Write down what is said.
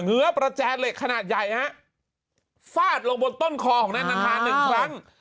ื้อประแจเหล็กขนาดใหญ่ฮะฟาดลงบนต้นคอของนายนาธาหนึ่งครั้ง